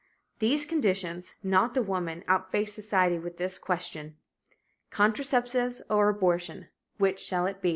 These conditions not the woman outface society with this question: "Contraceptives or Abortion which shall it be?"